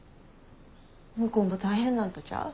向こうも大変なんとちゃう？